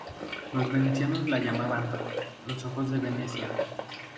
Los venecianos la llamaban "los ojos de Venecia".